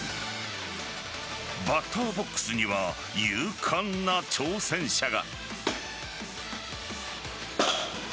バッターボックスには勇敢な挑戦者が。